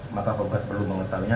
maka penggugat perlu mengetahuinya